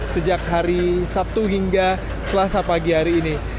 sejak hari sabtu hingga selasa pagi hari ini